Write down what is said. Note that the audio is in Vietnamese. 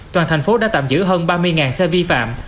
toàn thành phố đã tạm giữ hơn ba mươi xe vi phạm